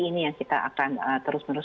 ini yang kita akan terus menerus